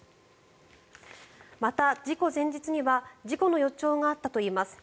また、事故前日には事故の予兆があったといいます。